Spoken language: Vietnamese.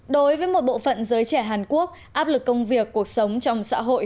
đối với một bộ phận giới trẻ hàn quốc áp lực công việc cuộc sống trong xã hội